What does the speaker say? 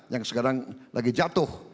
yang sekarang lagi jatuh